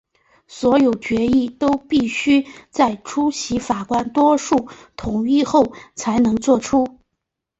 所有决议都必须在出席法官多数同意后才能做出。